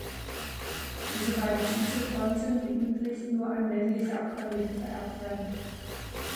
Diese beiden Titel konnten, wie üblich, nur an männliche Abkömmlinge vererbt werden.